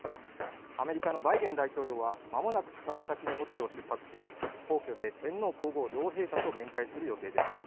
アメリカのバイデン大統領は間もなく宿泊先のホテルを出発し皇居で天皇・皇后両陛下と面会する予定です。